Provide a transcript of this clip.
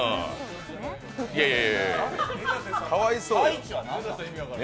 いやいやいや、かわいそうよ。